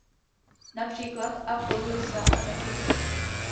Například Apple Lisa a Macintosh.